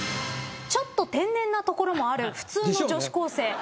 ちょっと天然なところもある普通の女子高生。